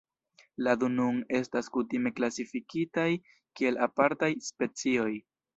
La du nun estas kutime klasifikitaj kiel apartaj specioj.